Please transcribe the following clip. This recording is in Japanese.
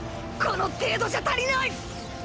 この程度じゃ足りない！